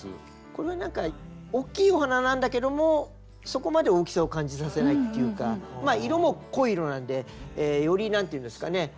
これはおっきいお花なんだけどもそこまで大きさを感じさせないっていうか色も濃い色なんでより何ていうんですかね